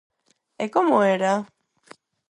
_¿E como era?